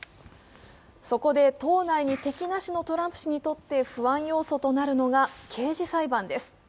そこで党内に敵なしのトランプ氏にとって不安要素となるのが刑事裁判です。